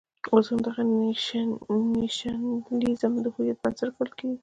اوس همدغه نېشنلېزم د هویت بنسټ ګڼل کېږي.